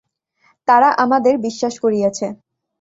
তারা আমাদের বিশ্বাস করিয়েছে।